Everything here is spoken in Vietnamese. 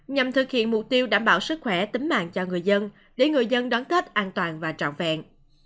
nhằm thực hiện mục tiêu đảm bảo sức khỏe tính mạng cho người dân để người dân đón tết an toàn và trọn vẹn